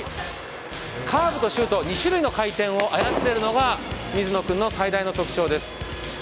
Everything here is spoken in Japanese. カーブとシュート２種類の回転を操れるのが水野君の最大の特徴です。